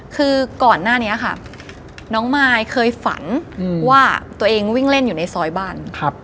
คือก่อนหน้านี้ค่ะน้องมายเคยฝันว่าตัวเองวิ่งเล่นอยู่ในซอยบ้าน